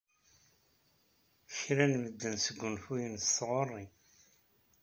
Kra n medden sgunfuyen s tɣuri.